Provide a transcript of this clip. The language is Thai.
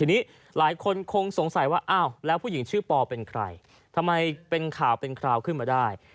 ทีนี้หลายคนคงสงสัยว่าอ้าวแล้วผู้หญิงชื่อปอเป็นใครทำไมเป็นข่าวเป็นคราวขึ้นมาได้